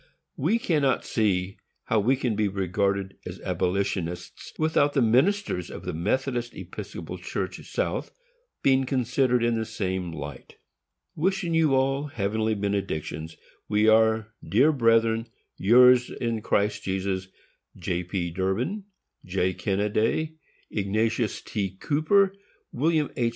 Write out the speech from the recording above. We cannot see how we can be regarded as abolitionists, without the ministers of the Methodist Episcopal Church South being considered in the same light. Wishing you all heavenly benedictions, we are, dear brethren, yours, in Christ Jesus, J. P. DURBIN, } J. KENNADAY, } IGNATIUS T. COOPER, } Comm. WILLIAM H.